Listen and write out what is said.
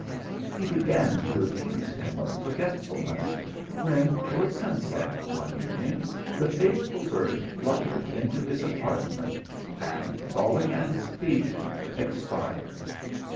He began to accuse him of forgetfulness, when towards sunset, one evening, the faithful bird fluttered into his apartment, and, falling at his feet, expired.